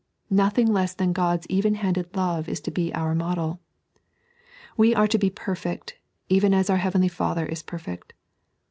Nothing less than God's even handed love is to be our model. We are to be perfect, even as our Heavenly Father is perfect.